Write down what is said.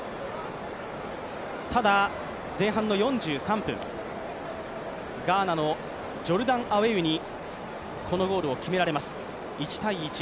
ただ、前半の４３分ガーナのジョルダン・アイェウにこのゴールを決められます。